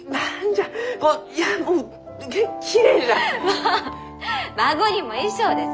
もう「馬子にも衣装」です！